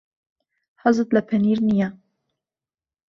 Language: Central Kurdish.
حەزت لە پەنیر نییە.